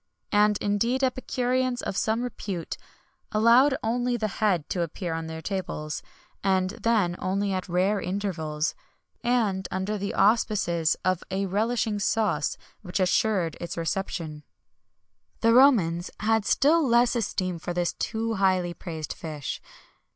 [XXI 117] And, indeed, epicureans of some repute allowed only the head to appear on their tables;[XXI 118] and then only at rare intervals, and under the auspices of a relishing sauce which assured its reception. The Romans had still less esteem for this too highly praised fish.